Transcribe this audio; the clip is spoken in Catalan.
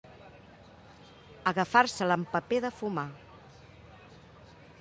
Agafar-se-la amb paper de fumar.